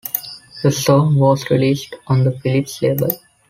The song was released on the Philips label.